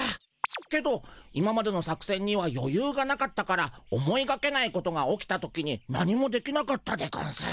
けど今までの作せんにはよゆうがなかったから思いがけないことが起きた時に何もできなかったでゴンス。